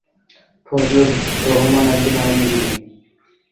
ফজলুর রহমান একজন আইনজীবী।